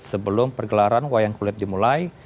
sebelum pergelaran wayang kulit dimulai